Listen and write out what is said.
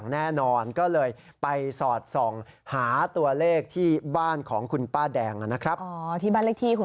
อ๋อที่บ้านเลขที่ของคุณป้า๒๑๒ใช่ไหม